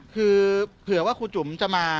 คือเผื่อว่าครูจุ๋มจะมา